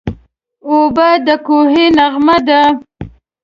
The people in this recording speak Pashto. اوبه د کوهي نغمه ده.